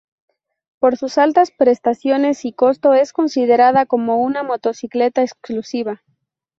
Por sus altas prestaciones y costo, es considerada como una motocicleta exclusiva.